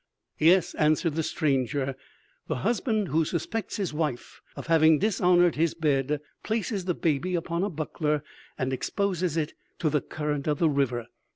"Yes," answered the stranger; "the husband who suspects his wife of having dishonored his bed, places the baby upon a buckler and exposes it to the current of the river.